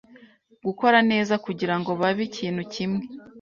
gukora neza' kugirango babe ikintu kimwe